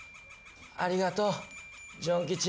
ありがとうジュンキチ。